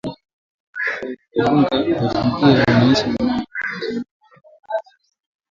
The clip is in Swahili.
Uganda yaifungia wananchi wanaojihusisha na mapenzi ya jinsia moja